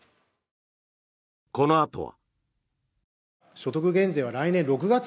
このあとは。